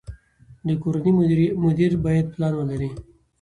د کورنۍ مدیر باید پلان ولري.